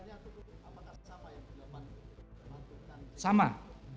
apakah sama yang di jerman